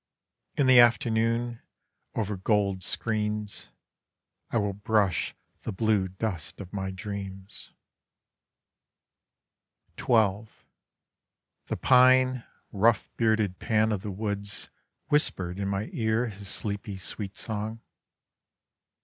In the afternoon, over gold screens, I will brush the blue dust of my dreams. XII The pine, rough bearded Pan of the woods Whispered in my ear his sleepy sweet song.